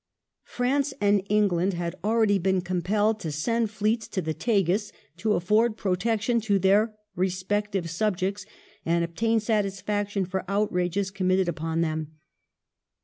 France and England had already been compelled to send fleets to the Tagus to afford protection to their respective subjects, and obtain satis faction for outrages committed upon them.